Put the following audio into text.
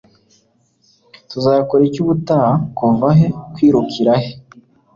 tuzakora iki ubutaha? kuva he? kwirukira he